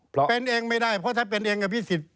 เป็นเองไม่ได้เพราะถ้าเป็นเองกับอภิสิต